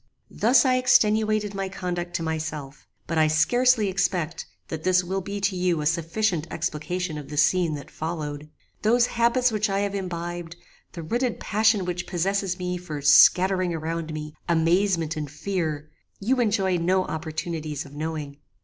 "Thus I extenuated my conduct to myself, but I scarcely expect that this will be to you a sufficient explication of the scene that followed. Those habits which I have imbibed, the rooted passion which possesses me for scattering around me amazement and fear, you enjoy no opportunities of knowing.